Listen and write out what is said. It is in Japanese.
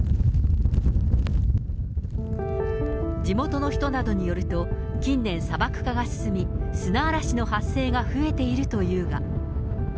地元の人などによると、近年、砂漠化が進み、砂嵐の発生が増えているというが。